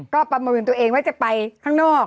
ก็ประเมินตัวเองว่าจะไปข้างนอก